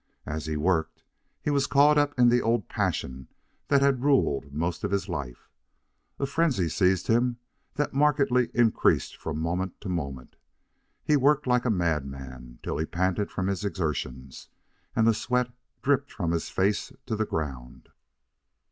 As he worked, he was caught up in the old passion that had ruled most of his life. A frenzy seized him that markedly increased from moment to moment. He worked like a madman, till he panted from his exertions and the sweat dripped from his face to the ground.